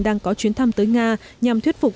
đang có chuyến thăm tới nga nhằm thuyết phục